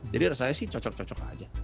jadi rasanya sih cocok cocok saja